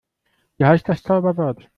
Wie heißt das Zauberwort?